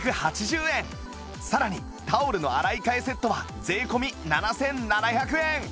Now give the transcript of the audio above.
さらにタオルの洗い替えセットは税込７７００円